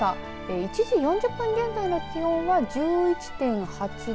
１時４０分現在の気温は１１．８度。